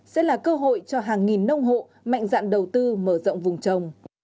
sẽ là cơ hội cho hàng nghìn nông hộ mạnh dạn đầu tư mở rộng vùng trồng